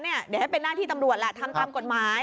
เดี๋ยวให้เป็นหน้าที่ตำรวจแหละทำตามกฎหมาย